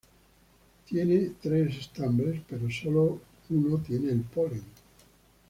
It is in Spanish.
Tiene tres estambres, pero sólo uno tiene el polen.